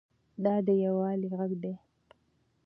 دا د یووالي غږ دی.